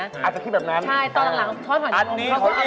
อาจจะคิดแบบนั้นใช่ตอนหลังช้อนห่อนอุ๊ยช้อนห่อนอุ๊ยช้อนห่อนอุ๊ยช้อนห่อน